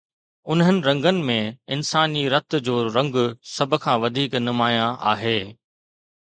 انهن رنگن ۾ انساني رت جو رنگ سڀ کان وڌيڪ نمايان آهي.